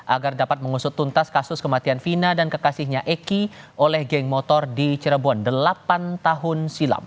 agar dapat mengusut tuntas kasus kematian vina dan kekasihnya eki oleh geng motor di cirebon delapan tahun silam